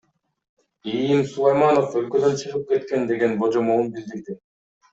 ИИМ Сулайманов өлкөдөн чыгып кеткен деген божомолун билдирди.